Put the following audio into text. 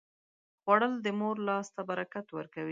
خوړل د مور لاس ته برکت ورکوي